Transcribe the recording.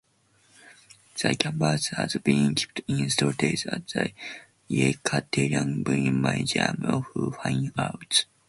The canvas has been kept in storage at the Yekaterinburg Museum of Fine Arts.